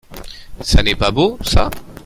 Ça n’est pas beau, ça ?